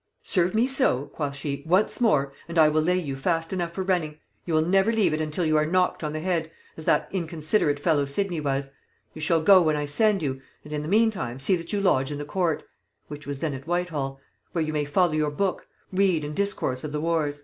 'Serve me so,' quoth she, 'once more, and I will lay you fast enough for running; you will never leave it until you are knocked on the head, as that inconsiderate fellow Sidney was. You shall go when I send you, and in the meantime see that you lodge in the court,' (which was then at Whitehall) 'where you may follow your book, read and discourse of the wars.'"